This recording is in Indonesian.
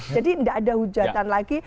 jadi tidak ada hujatan lagi